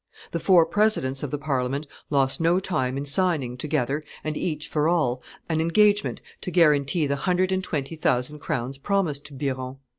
The four presidents of the Parliament lost no time in signing together, and each for all, an engagement to guarantee the hundred and twenty thousand crowns promised to Biron.